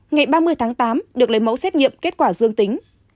ngày ba mươi tháng tám được lấy mẫu xét nghiệm kết quả dương tính